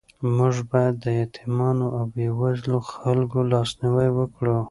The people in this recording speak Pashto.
موږ باید د یتیمانو او بېوزلو خلکو لاسنیوی وکړو.